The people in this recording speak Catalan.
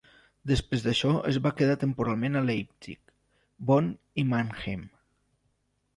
Després d'això es va quedar temporalment a Leipzig, Bonn i Mannheim.